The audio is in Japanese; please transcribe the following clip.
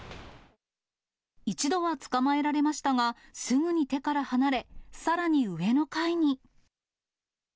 一度は捕まえられましたが、すぐに手から離れ、さらに上の階に。